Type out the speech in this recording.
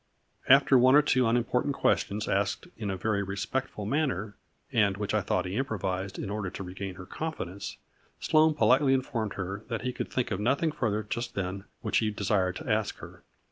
After one or two unimportant questions, asked in a very respectful manner, and which I thought he improvised in order to regain her confidence, Sloane politely informed her that he could think of nothing further just then which he desired to ask her.